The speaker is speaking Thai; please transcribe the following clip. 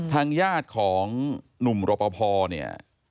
ทางญาติของหนุ่มรปภเนี่ย